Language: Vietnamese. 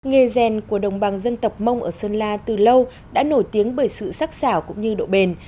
nghề rèn của đồng bào dân tộc mông ở sơn la từ lâu đã nổi tiếng bởi sự sắc xảo cũng như độ bền